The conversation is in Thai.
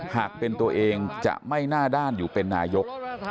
หากเป็นตัวเองจะไม่หน้าด้านอยู่เป็นนายก